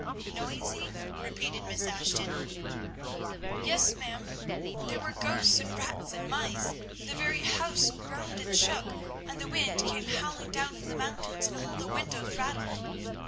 "Noisy!" repeated Miss Ashton. "Yes, ma'am; there were ghosts and rats and mice; the very house groaned and shook, and the wind came howling down from the mountains, and all the windows rattled."